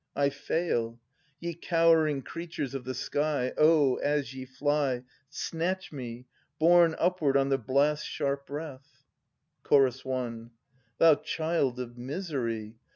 I fail. Ye cowering creatures of the sky, Oh, as ye fly. Snatch me, borne upward on the blasts sharp breath! Ch. I. Thou child of misery!